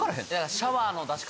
シャワーの出し方